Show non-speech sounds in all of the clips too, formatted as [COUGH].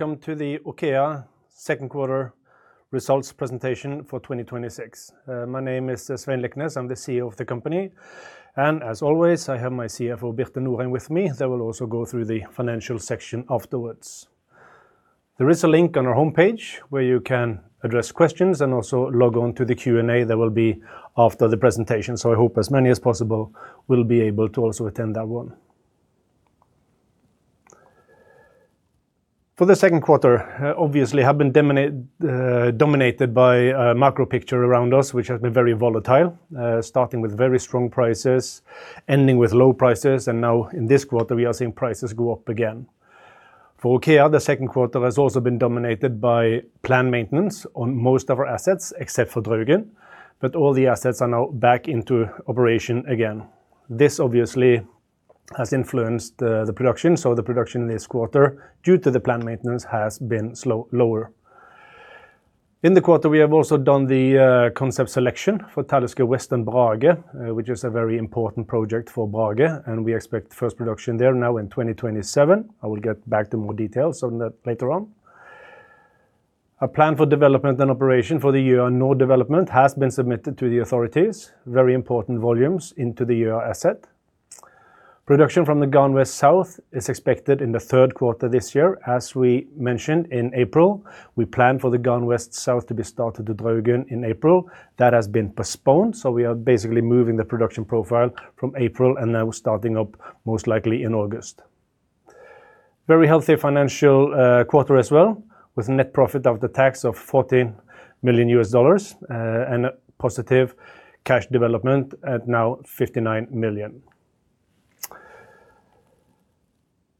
Welcome to the OKEA second quarter results presentation for 2026. My name is Svein Liknes. I'm the CEO of the company, and as always, I have my CFO, Birte Norheim, with me that will also go through the financial section afterwards. There is a link on our homepage where you can address questions and also log on to the Q&A that will be after the presentation. I hope as many as possible will be able to also attend that one. For the second quarter, obviously have been dominated by macro picture around us, which has been very volatile. Starting with very strong prices, ending with low prices, and now in this quarter we are seeing prices go up again. For OKEA, the second quarter has also been dominated by planned maintenance on most of our assets except for Draugen, but all the assets are now back into operation again. This obviously has influenced the production. The production this quarter, due to the planned maintenance, has been lower. In the quarter, we have also done the concept selection for Talisker West and Brage, which is a very important project for Brage, and we expect first production there now in 2027. I will get back to more details on that later on. A plan for development and operation for the year, and PDO has been submitted to the authorities. Very important volumes into the year asset. Production from the Garn West South is expected in the third quarter this year. As we mentioned in April, we plan for the Garn West South to be started at Draugen in April. That has been postponed. We are basically moving the production profile from April and now starting up most likely in August. Very healthy financial quarter as well, with net profit after tax of $14 million and positive cash development at now $59 million.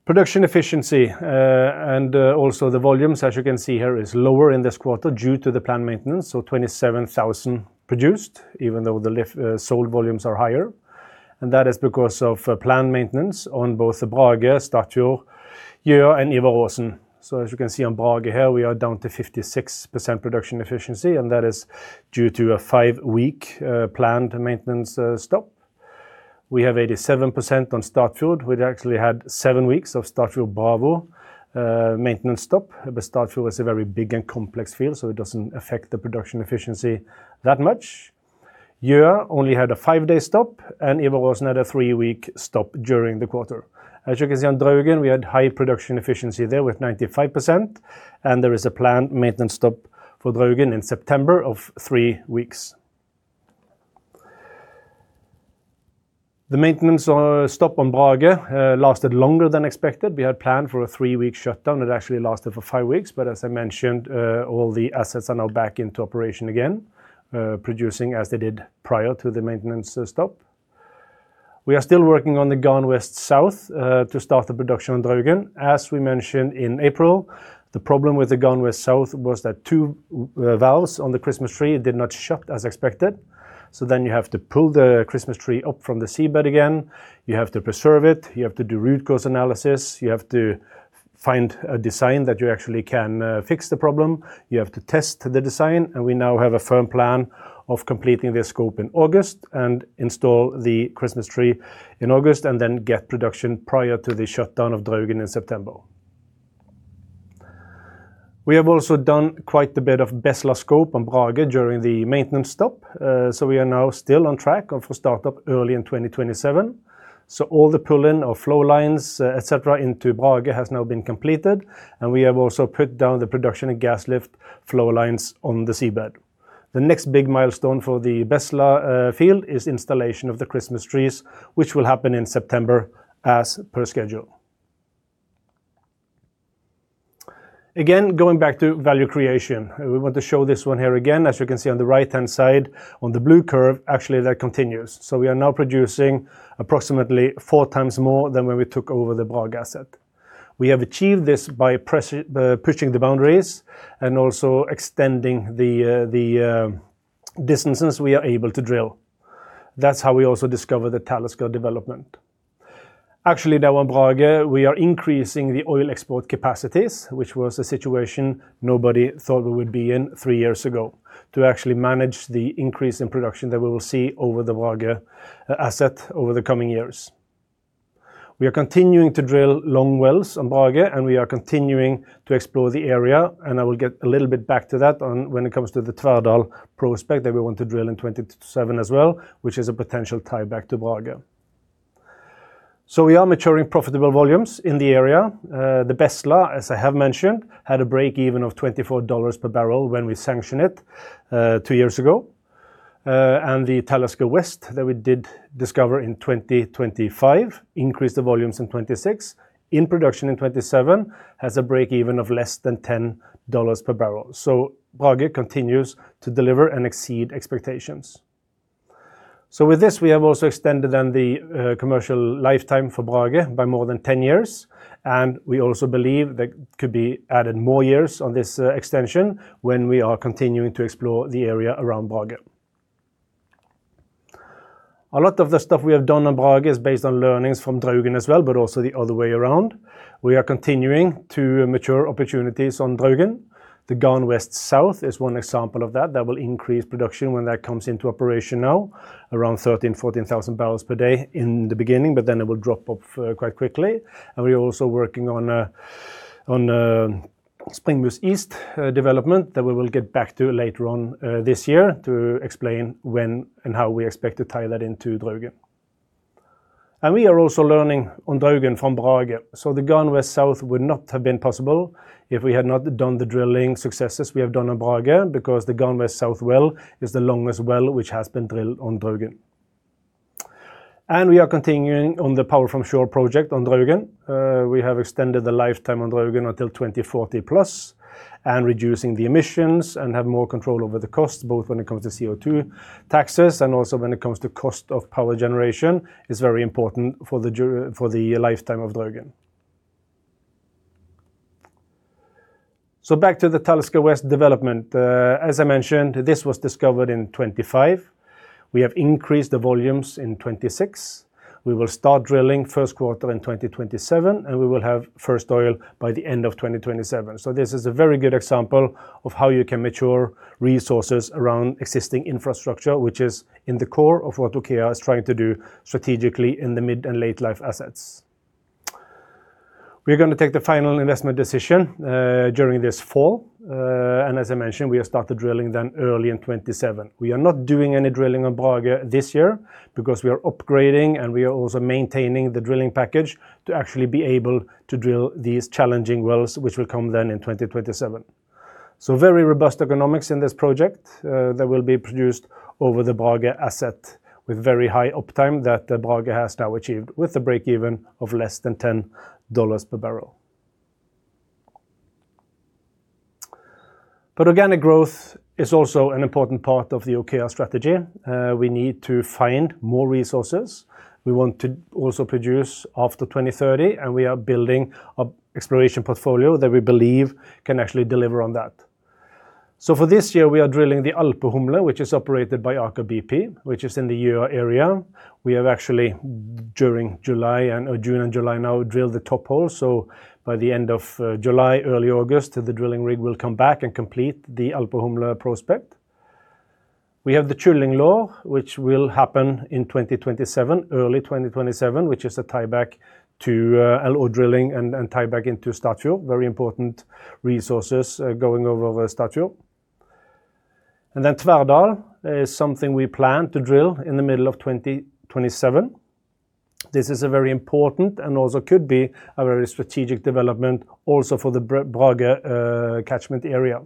Production efficiency, and also the volumes, as you can see here, is lower in this quarter due to the planned maintenance. 27,000 produced, even though the sold volumes are higher, and that is because of planned maintenance on both the Brage, Statfjord, Gjøa, and Ivar Aasen. As you can see on Brage here, we are down to 56% production efficiency, and that is due to a five-week planned maintenance stop. We have 87% on Statfjord. We actually had seven weeks of Statfjord [Bravo] maintenance stop, but Statfjord is a very big and complex field, so it doesn't affect the production efficiency that much. Gjøa only had a five-day stop, and Ivar Aasen had a three-week stop during the quarter. As you can see on Draugen, we had high production efficiency there with 95%, and there is a planned maintenance stop for Draugen in September of three weeks. The maintenance stop on Brage lasted longer than expected. We had planned for a three-week shutdown. It actually lasted for five weeks. As I mentioned, all the assets are now back into operation again, producing as they did prior to the maintenance stop. We are still working on the Garn West South to start the production on Draugen. As we mentioned in April, the problem with the Garn West South was that two valves on the Christmas tree did not shut as expected. You have to pull the Christmas tree up from the seabed again, you have to preserve it, you have to do root cause analysis, you have to find a design that you actually can fix the problem, you have to test the design, and we now have a firm plan of completing this scope in August and install the Christmas tree in August and then get production prior to the shutdown of Draugen in September. We have also done quite a bit of Bestla scope on Brage during the maintenance stop. We are now still on track for startup early in 2027. All the pull-in of flow lines, etc, into Brage has now been completed, and we have also put down the production and gas lift flow lines on the seabed. The next big milestone for the Bestla field is installation of the Christmas trees, which will happen in September as per schedule. Going back to value creation. We want to show this one here again. You can see on the right-hand side, on the blue curve, actually that continues. We are now producing approximately four times more than when we took over the Brage asset. We have achieved this by pushing the boundaries and also extending the distances we are able to drill. That's how we also discover the Talisker development. Actually, there on Brage, we are increasing the oil export capacities, which was a situation nobody thought we would be in three years ago to actually manage the increase in production that we will see over the Brage asset over the coming years. We are continuing to drill long wells on Brage, and we are continuing to explore the area, and I will get a little bit back to that when it comes to the Tverrdal prospect that we want to drill in 2027 as well, which is a potential tie-back to Brage. We are maturing profitable volumes in the area. The Bestla, as I have mentioned, had a break-even of $24/bbl when we sanctioned it two years ago. The Talisker West that we did discover in 2025, increased the volumes in 2026, in production in 2027, has a break-even of less than $10/bbl. Brage continues to deliver and exceed expectations. With this, we have also extended then the commercial lifetime for Brage by more than 10 years, and we also believe there could be added more years on this extension when we are continuing to explore the area around Brage. A lot of the stuff we have done on Brage is based on learnings from Draugen as well, but also the other way around. We are continuing to mature opportunities on Draugen. The Garn West South is one example of that will increase production when that comes into operation now, around 13,000 bpd, 14,000 bpd in the beginning, but then it will drop off quite quickly. We are also working on Springar East development that we will get back to later on this year to explain when and how we expect to tie that into Draugen. We are also learning on Draugen from Brage. The Garn West South would not have been possible if we had not done the drilling successes we have done on Brage, because the Garn West South well is the longest well which has been drilled on Draugen. We are continuing on the Power from Shore project on Draugen. We have extended the lifetime on Draugen until 2040+, reducing the emissions and have more control over the cost, both when it comes to CO2 taxes and also when it comes to cost of power generation is very important for the lifetime of Draugen. Back to the Talisker West development. As I mentioned, this was discovered in 2025. We have increased the volumes in 2026. We will start drilling first quarter in 2027, and we will have first oil by the end of 2027. This is a very good example of how you can mature resources around existing infrastructure, which is in the core of what OKEA is trying to do strategically in the mid- and late-life assets. We are going to take the final investment decision during this fall. As I mentioned, we have started drilling then early in 2027. We are not doing any drilling on Brage this year because we are upgrading and we are also maintaining the drilling package to actually be able to drill these challenging wells, which will come then in 2027. Very robust economics in this project that will be produced over the Brage asset with very high uptime that Brage has now achieved with the breakeven of less than $10/bbl. Organic growth is also an important part of the OKEA strategy. We need to find more resources. We want to also produce after 2030, we are building exploration portfolio that we believe can actually deliver on that. For this year, we are drilling the Alpehumle, which is operated by Aker BP, which is in the area. We have actually during June and July now drilled the top hole. By the end of July, early August, the drilling rig will come back and complete the Alpehumle prospect. We have the Kyllinglår, which will happen in early 2027, which is a tie-back to [LO drilling] and tie-back into Statfjord. Very important resources going over Statfjord. Tverrdal is something we plan to drill in the middle of 2027. This is a very important and also could be a very strategic development also for the Brage catchment area.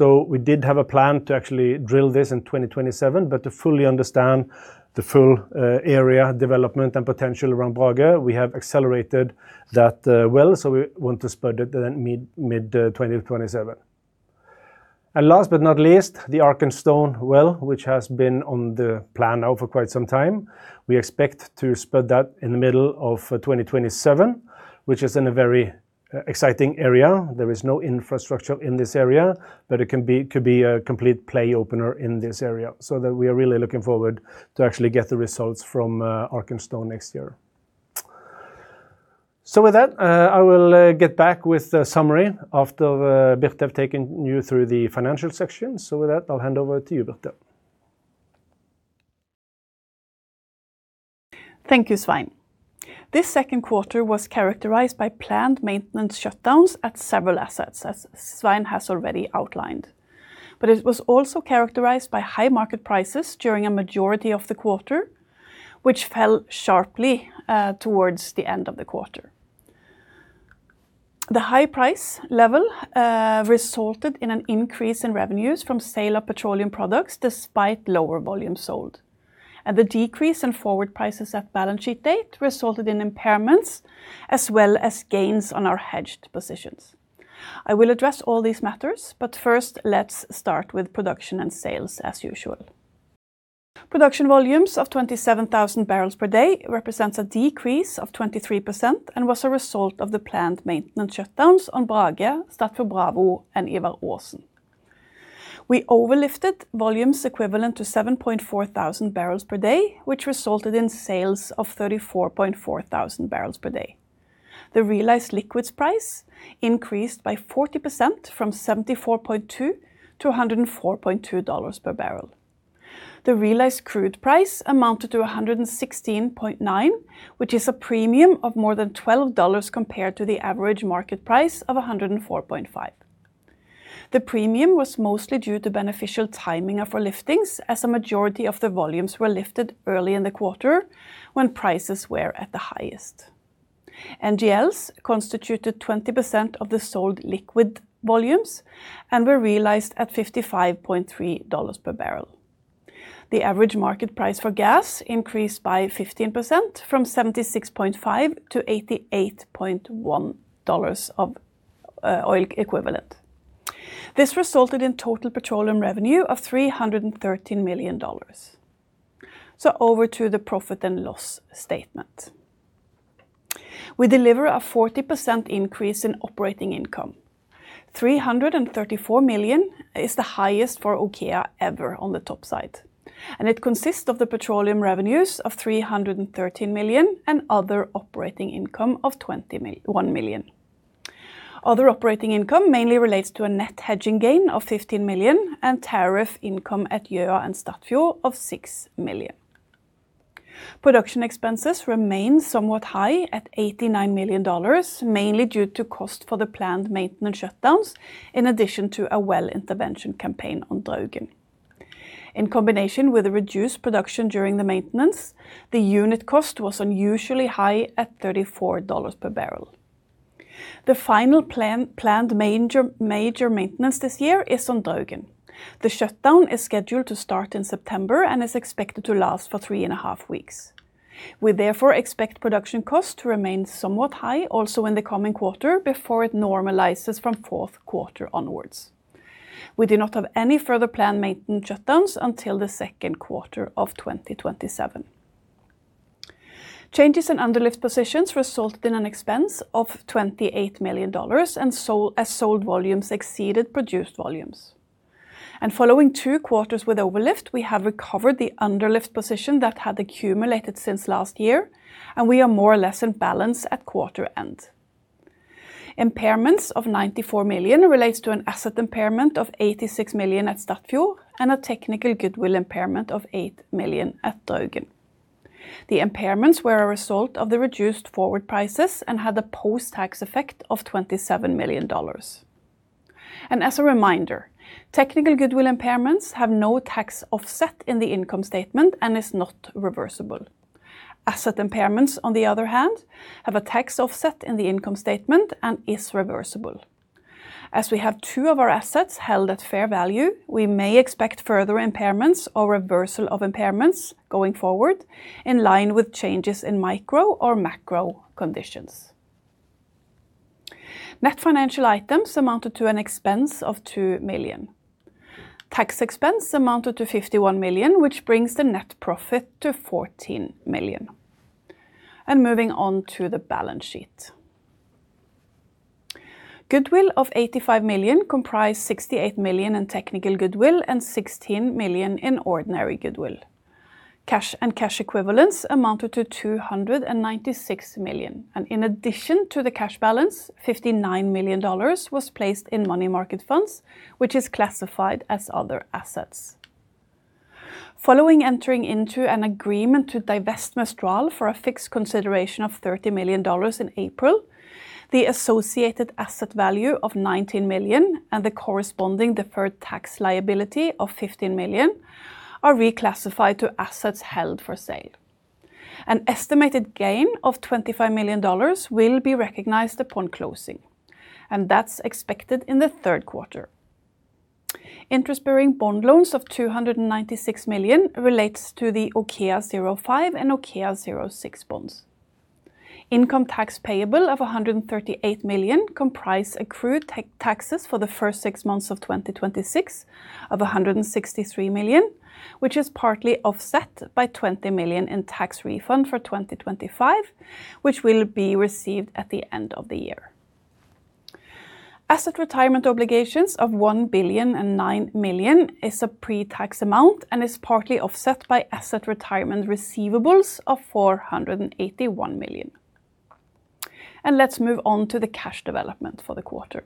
We did have a plan to actually drill this in 2027, but to fully understand the full area development and potential around Brage, we have accelerated that well, we want to spread it then mid-2027. Last but not least, the Arkenstone well, which has been on the plan now for quite some time. We expect to spread that in the middle of 2027, which is in a very exciting area. There is no infrastructure in this area, but it could be a complete play opener in this area that we are really looking forward to actually get the results from Arkenstone next year. With that, I will get back with a summary after Birte have taken you through the financial section. With that, I'll hand over to you, Birte. Thank you, Svein. This second quarter was characterized by planned maintenance shutdowns at several assets, as Svein has already outlined. It was also characterized by high market prices during a majority of the quarter, which fell sharply towards the end of the quarter. The high price level resulted in an increase in revenues from sale of petroleum products despite lower volume sold. The decrease in forward prices at balance sheet date resulted in impairments as well as gains on our hedged positions. I will address all these matters, first, let's start with production and sales as usual. Production volumes of 27,000 bpd represents a decrease of 23% and was a result of the planned maintenance shutdowns on Brage, Statfjord Bravo, and Ivar Aasen. We overlifted volumes equivalent to 7,400 bpd, which resulted in sales of 34,400 bpd. The realized liquids price increased by 40%, from $74.2-$104.2/bbl. The realized crude price amounted to $116.9, which is a premium of more than $12 compared to the average market price of $104.5. The premium was mostly due to beneficial timing of our liftings, as a majority of the volumes were lifted early in the quarter when prices were at the highest. NGLs constituted 20% of the sold liquid volumes and were realized at $55.3/bbl. The average market price for gas increased by 15%, from $76.5-$88.1 of oil equivalent. This resulted in total petroleum revenue of $313 million. Over to the profit and loss statement. We deliver a 40% increase in operating income. $334 million is the highest for OKEA ever on the top side, it consists of the petroleum revenues of $313 million and other operating income of $21 million. Other operating income mainly relates to a net hedging gain of $15 million and tariff income at Gjøa and Statfjord of $6 million. Production expenses remain somewhat high at $89 million, mainly due to cost for the planned maintenance shutdowns, in addition to a well intervention campaign on Draugen. In combination with a reduced production during the maintenance, the unit cost was unusually high at $34/bbl. The final planned major maintenance this year is on Draugen. The shutdown is scheduled to start in September and is expected to last for three and a half weeks. We therefore expect production cost to remain somewhat high also in the coming quarter, before it normalizes from fourth quarter onwards. We do not have any further planned maintenance shutdowns until the second quarter of 2027. Changes in underlift positions resulted in an expense of $28 million, as sold volumes exceeded produced volumes. Following two quarters with overlift, we have recovered the underlift position that had accumulated since last year, and we are more or less in balance at quarter end. Impairments of $94 million relates to an asset impairment of $86 million at Statfjord and a technical goodwill impairment of $8 million at Draugen. The impairments were a result of the reduced forward prices and had a post-tax effect of $27 million. As a reminder, technical goodwill impairments have no tax offset in the income statement and is not reversible. Asset impairments, on the other hand, have a tax offset in the income statement and is reversible. As we have two of our assets held at fair value, we may expect further impairments or reversal of impairments going forward, in line with changes in micro or macro conditions. Net financial items amounted to an expense of $2 million. Tax expense amounted to $51 million, which brings the net profit to $14 million. Moving on to the balance sheet. Goodwill of $85 million comprised $68 million in technical goodwill and $16 million in ordinary goodwill. Cash and cash equivalents amounted to $296 million, and in addition to the cash balance, $59 million was placed in money market funds, which is classified as other assets. Following entering into an agreement to divest Mistral for a fixed consideration of $30 million in April, the associated asset value of $19 million and the corresponding deferred tax liability of $15 million are reclassified to assets held for sale. An estimated gain of $25 million will be recognized upon closing, and that's expected in the third quarter. Interest-bearing bond loans of $296 million relates to the OKEA05 and OKEA06 bonds. Income tax payable of $138 million comprise accrued taxes for the first six months of 2026 of $163 million, which is partly offset by $20 million in tax refund for 2025, which will be received at the end of the year. Asset retirement obligations of $1 billion and $9 million is a pre-tax amount and is partly offset by asset retirement receivables of $481 million. Let's move on to the cash development for the quarter.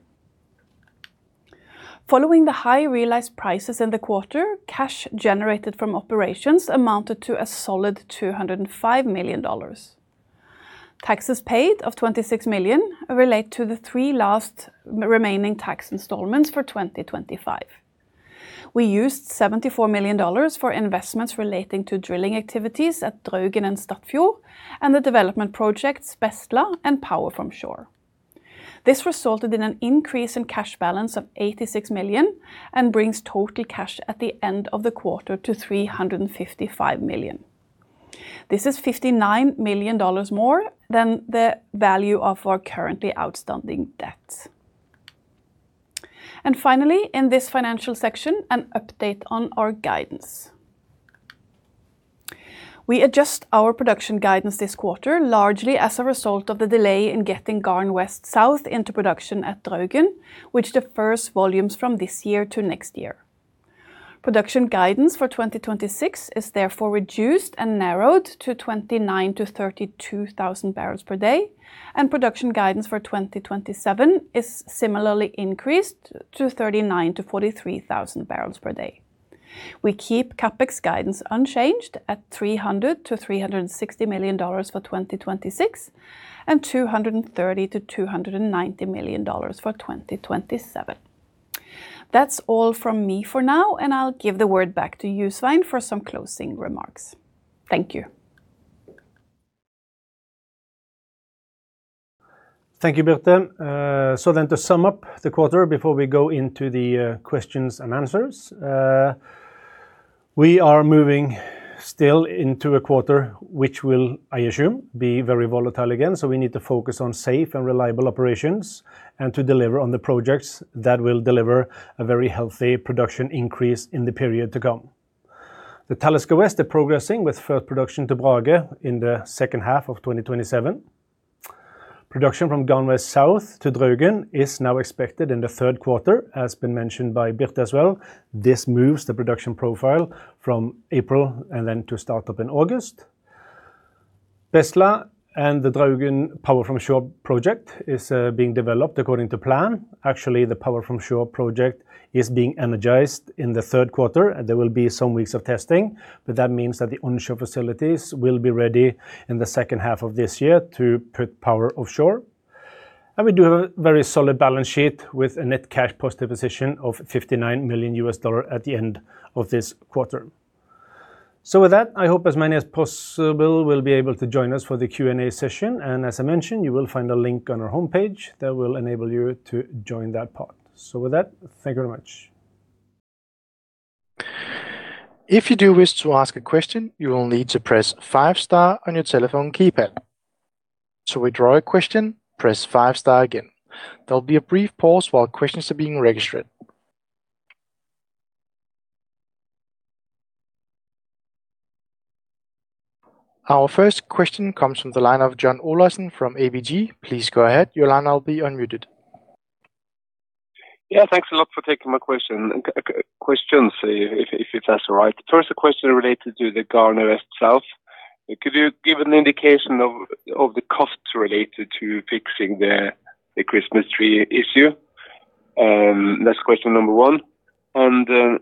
Following the high realized prices in the quarter, cash generated from operations amounted to a solid $205 million. Taxes paid of $26 million relate to the three last remaining tax installments for 2025. We used $74 million for investments relating to drilling activities at Draugen and Statfjord and the development projects Bestla and Power from Shore. This resulted in an increase in cash balance of $86 million and brings total cash at the end of the quarter to $355 million. This is $59 million more than the value of our currently outstanding debt. Finally, in this financial section, an update on our guidance. We adjust our production guidance this quarter, largely as a result of the delay in getting Garn West South into production at Draugen, which defers volumes from this year to next year. Production guidance for 2026 is therefore reduced and narrowed to 29,000 bpd-32,000 bpd, and production guidance for 2027 is similarly increased to 39,000 bpd-43,000 bpd. We keep CapEx guidance unchanged at $300 million-$360 million for 2026 and $230 million-$290 million for 2027. That's all from me for now, and I'll give the word back to you, Svein, for some closing remarks. Thank you. Thank you, Birte. To sum up the quarter before we go into the questions and answers. We are moving still into a quarter which will, I assume, be very volatile again. We need to focus on safe and reliable operations and to deliver on the projects that will deliver a very healthy production increase in the period to come. The Talisker West are progressing with first production to Brage in the second half of 2027. Production from Garn West South to Draugen is now expected in the third quarter. As been mentioned by Birte as well, this moves the production profile from April and then to start up in August. Bestla and the Draugen Power from Shore project is being developed according to plan. Actually, the Power from Shore project is being energized in the third quarter. There will be some weeks of testing, that means that the onshore facilities will be ready in the second half of this year to put power offshore. We do have a very solid balance sheet with a net cash positive position of $59 million at the end of this quarter. I hope as many as possible will be able to join us for the Q&A session. As I mentioned, you will find a link on our homepage that will enable you to join that part. Thank you very much. If you do wish to ask a question, you will need to press five star on your telephone keypad. To withdraw your question, press five star again. There'll be a brief pause while questions are being registered. Our first question comes from the line of John Olaisen from ABG. Please go ahead. Your line will be unmuted. Thanks a lot for taking my question, questions, if that's all right. First, a question related to the Garn West South. Could you give an indication of the costs related to fixing the Christmas tree issue? That's question number one.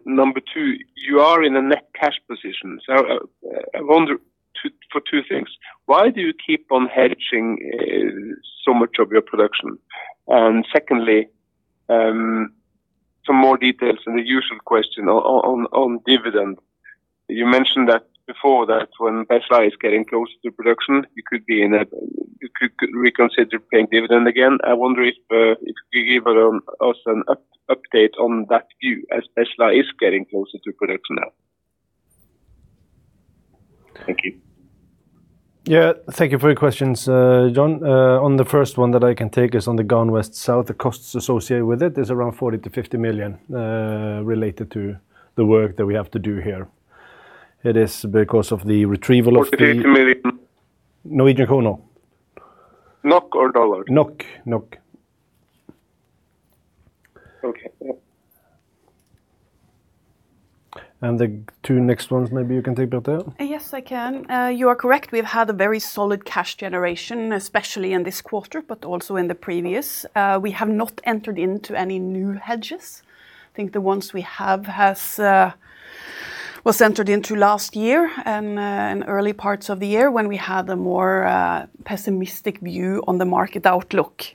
Number two, you are in a net cash position. I wonder for two things. Why do you keep on hedging so much of your production? Secondly, some more details on the usual question on dividend. You mentioned that before that when Bestla is getting closer to production, you could reconsider paying dividend again. I wonder if you could give us an update on that view as Bestla is getting closer to production now. Thank you. Yeah. Thank you for your questions, John. The first one that I can take is on the Garn West South. The costs associated with it is around 40 million-50 million, related to the work that we have to do here. 40 million-50 million? [INAUDIBLE] NOK or dollars? NOK. NOK. Okay. The two next ones, maybe you can take, Birte. Yes, I can. You are correct. We've had a very solid cash generation, especially in this quarter, but also in the previous. We have not entered into any new hedges. I think the ones we have was entered into last year and early parts of the year when we had a more pessimistic view on the market outlook.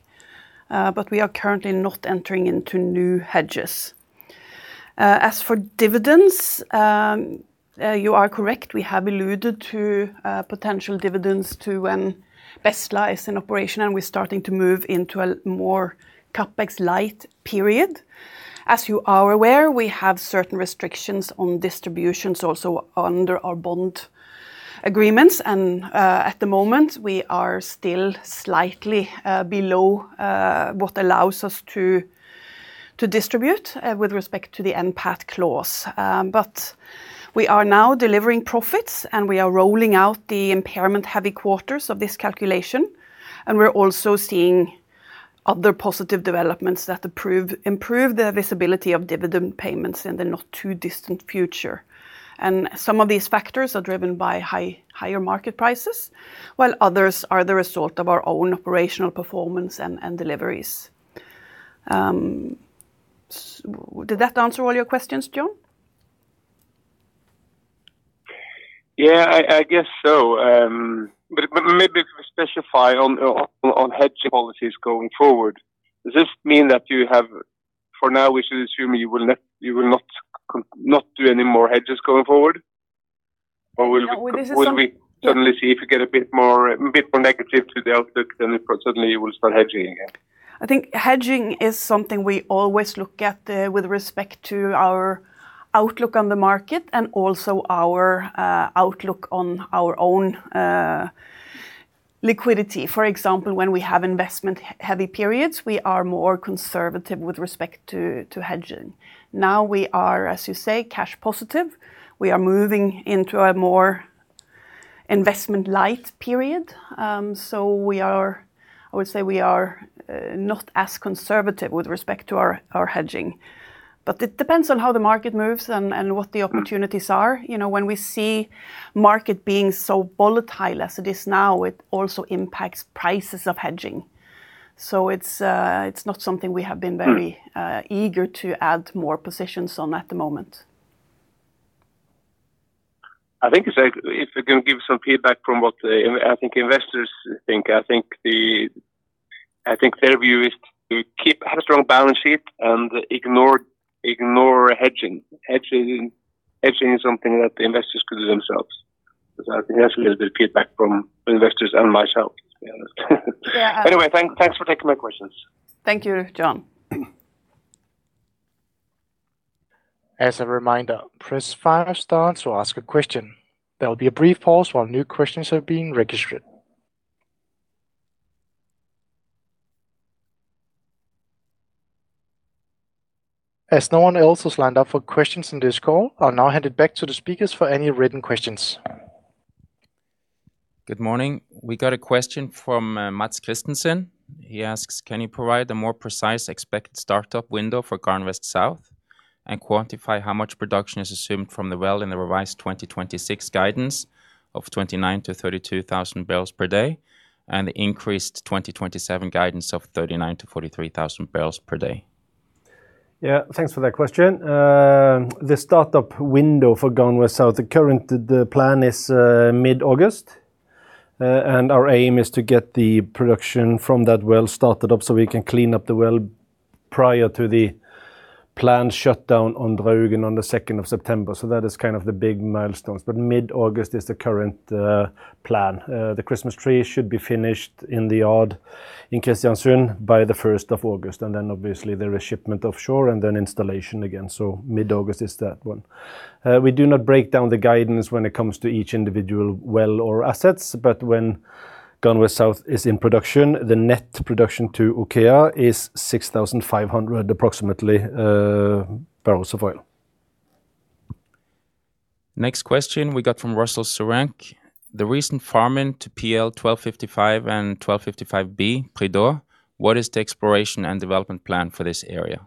We are currently not entering into new hedges. As for dividends, you are correct, we have alluded to potential dividends to when Bestla is in operation, and we're starting to move into a more CapEx-light period. As you are aware, we have certain restrictions on distributions also under our bond agreements. At the moment, we are still slightly below what allows us to distribute with respect to the NPAT clause. We are now delivering profits, and we are rolling out the impairment-heavy quarters of this calculation. We're also seeing other positive developments that improve the visibility of dividend payments in the not too distant future. Some of these factors are driven by higher market prices, while others are the result of our own operational performance and deliveries. Did that answer all your questions, John? Yeah, I guess so. Maybe specify on hedge policies going forward. Does this mean that you have, for now we should assume you will not do any more hedges going forward? Or- Well, this is- ...will we suddenly see if you get a bit more negative to the outlook then suddenly you will start hedging again? I think hedging is something we always look at with respect to our outlook on the market and also our outlook on our own liquidity. For example, when we have investment-heavy periods, we are more conservative with respect to hedging. Now we are, as you say, cash positive. We are moving into a more investment-light period. I would say we are not as conservative with respect to our hedging. It depends on how the market moves and what the opportunities are. When we see market being so volatile as it is now, it also impacts prices of hedging. It's not something we have been very eager to add more positions on at the moment. I think if I can give some feedback from what I think investors think, I think their view is to keep a strong balance sheet and ignore hedging. Hedging is something that the investors could do themselves. Because I think that's a little bit of feedback from investors and myself, to be honest. Yeah. Anyway, thanks for taking my questions. Thank you, John. As a reminder, press five star to ask a question. There will be a brief pause while new questions are being registered. As no one else has lined up for questions in this call, I'll now hand it back to the speakers for any written questions. Good morning. We got a question from Mats Christensen. He asks, "Can you provide a more precise expected startup window for Garn West South and quantify how much production is assumed from the well in the revised 2026 guidance of 29,000 bpd-32,000 bpd and the increased 2027 guidance of 39,000 bpd-43,000 bpd? Thanks for that question. The startup window for Garn West South, the current plan is mid-August. Our aim is to get the production from that well started up so we can clean up the well prior to the planned shutdown on Draugen on September 2nd. That is kind of the big milestones. Mid-August is the current plan. The Christmas tree should be finished in the yard in Kristiansund by August 1st, and then obviously there is shipment offshore and then installation again. Mid-August is that one. We do not break down the guidance when it comes to each individual well or assets, but when Garn West South is in production, the net production to OKEA is 6,500 approximately barrels of oil. Next question we got from Russell [Sorank]. "The recent farming to PL 1255 and PL 1255B, [Pridò] what is the exploration and development plan for this area?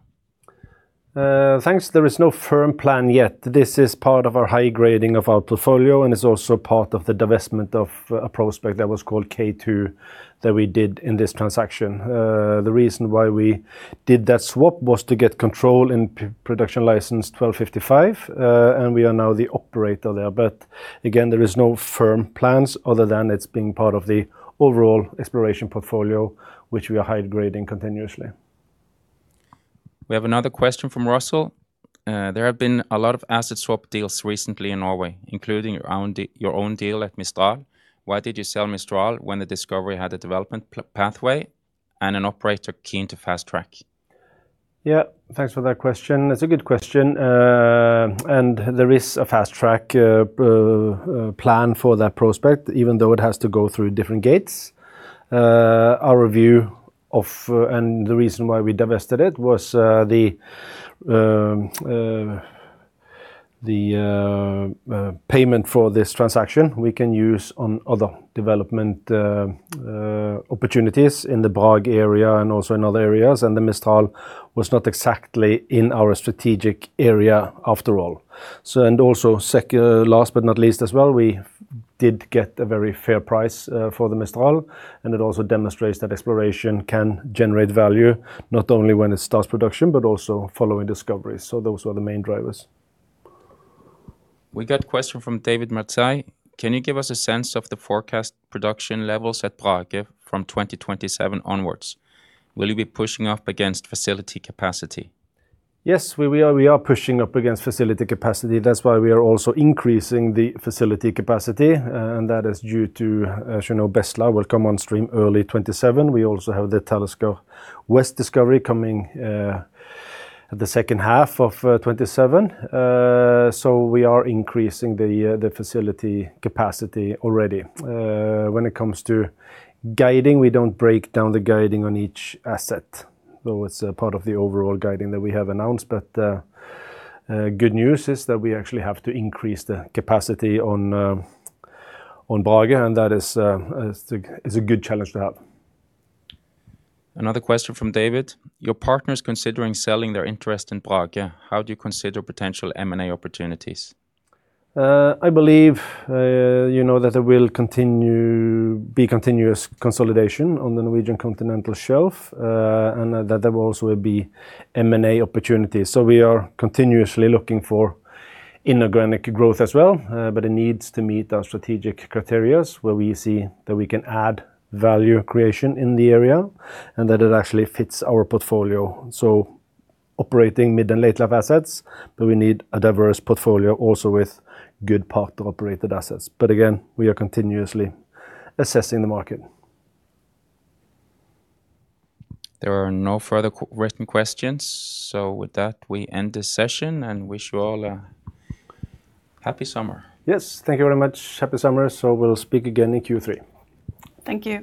Thanks. There is no firm plan yet. This is part of our high grading of our portfolio and is also part of the divestment of a prospect that was called K2 that we did in this transaction. The reason why we did that swap was to get control in production license 1255, and we are now the operator there. Again, there is no firm plans other than it's being part of the overall exploration portfolio, which we are high grading continuously. We have another question from Russell. "There have been a lot of asset swap deals recently in Norway, including your own deal at Mistral. Why did you sell Mistral when the discovery had a development pathway and an operator keen to fast-track? Yeah, thanks for that question. It's a good question. There is a fast track plan for that prospect, even though it has to go through different gates. Our review of and the reason why we divested it was the payment for this transaction we can use on other development opportunities in the Brage area and also in other areas. The Mistral was not exactly in our strategic area after all. Last but not least as well, we did get a very fair price for the Mistral and it also demonstrates that exploration can generate value not only when it starts production, but also following discoveries. Those were the main drivers. We got question from [David Martai]. "Can you give us a sense of the forecast production levels at Brage from 2027 onwards? Will you be pushing up against facility capacity? Yes, we are pushing up against facility capacity. That's why we are also increasing the facility capacity, and that is due to, as you know, Bestla will come on stream early 2027. We also have the Talisker West discovery coming the second half of 2027. We are increasing the facility capacity already. When it comes to guiding, we don't break down the guiding on each asset, though it's a part of the overall guiding that we have announced. Good news is that we actually have to increase the capacity on Brage, and that is a good challenge to have. Another question from David. "Your partner is considering selling their interest in Brage. How do you consider potential M&A opportunities? I believe you know that there will be continuous consolidation on the Norwegian continental shelf, and that there will also be M&A opportunities. We are continuously looking for inorganic growth as well. It needs to meet our strategic criteria, where we see that we can add value creation in the area and that it actually fits our portfolio. Operating mid and late life assets, we need a diverse portfolio also with good part of operated assets. Again, we are continuously assessing the market. There are no further written questions. With that, we end this session and wish you all a happy summer. Yes, thank you very much. Happy summer. We'll speak again in Q3. Thank you